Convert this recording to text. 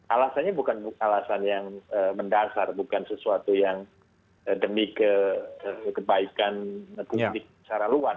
alasannya bukan alasan yang mendasar bukan sesuatu yang demi kebaikan publik secara luas